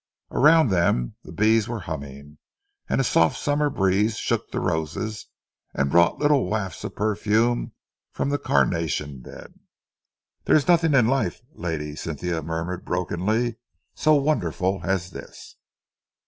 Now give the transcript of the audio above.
Around them the bees were humming, and a soft summer breeze shook the roses and brought little wafts of perfume from the carnation bed. "There is nothing in life," Lady Cynthia murmured brokenly, "so wonderful as this."